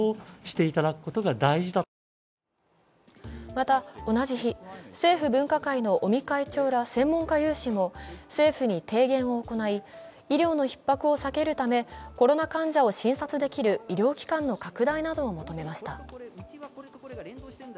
また同じ日、政府分科会の尾身会長ら専門家有志も政府に提言を行い医療のひっ迫を避けるためコロナ患者を診察できる医療機関の拡大などを求めました。